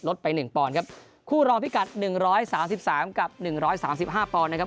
ไปหนึ่งปอนด์ครับคู่รองพิกัดหนึ่งร้อยสามสิบสามกับหนึ่งร้อยสามสิบห้าปอนด์นะครับ